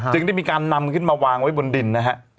ได้มีการนำขึ้นมาวางไว้บนดินนะฮะ